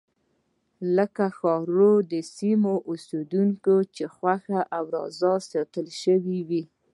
لکه ښاري سیمو اوسېدونکي چې خوښ او راضي ساتل شوي وای.